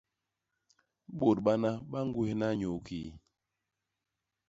Bôt bana ba ñgwéhna inyukii?